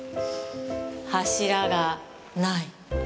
柱がない。